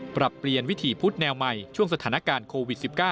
ปรับเปลี่ยนวิถีพุทธแนวใหม่ช่วงสถานการณ์โควิด๑๙